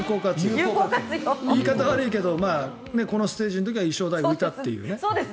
言い方は悪いけどこのステージの時は衣装代が浮いたという。